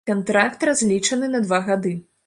Кантракт разлічаны на два гады.